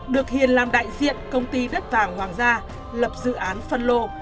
được hiền làm đại diện công ty đất vàng hoàng gia lập dự án phân lô